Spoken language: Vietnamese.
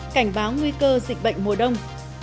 cảnh báo nguy cơ dịch bệnh mùa đông